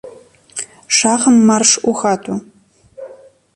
Шагам марш у хату.